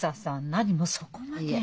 なにもそこまで。